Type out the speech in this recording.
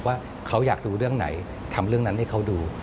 ว่าเขาอยากดูเรื่องไหนทำเรื่องนั้นให้เขาดู